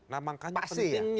nah makanya pentingnya